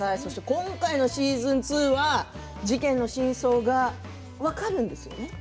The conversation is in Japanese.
今回のシーズン２は事件の真相が分かるんですよね？